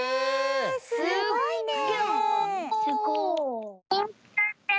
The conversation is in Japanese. すごいね！